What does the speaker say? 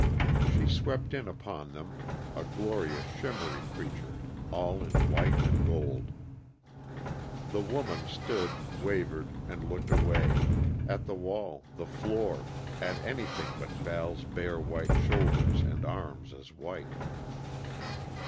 She swept in upon them, a glorious, shimmery creature all in white and gold. The women steed, wavered, and looked away at the wall, the floor, at anything but Val's bare, white shoulders and arms as white.